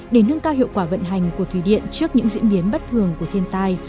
để nâng cao hiệu quả vận hành của thủy điện trước những diễn biến bất thường của thiên tai